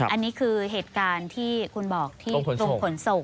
อันนี้คือเหตุการณ์ที่คุณบอกที่กรมขนส่ง